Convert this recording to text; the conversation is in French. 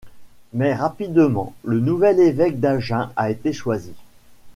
Mais rapidement, le nouvel évêque d'Agen a été choisi.